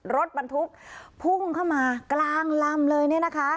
รถบรรทุกพุ่งเข้ามากลางลำเลยเนี่ยนะคะ